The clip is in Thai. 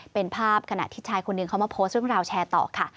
เป็นภาพขณะที่ชายคนหนึ่งเขามาโพสต์เรื่องราวแชร์ต่อค่ะ